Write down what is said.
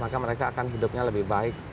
maka mereka akan hidupnya lebih baik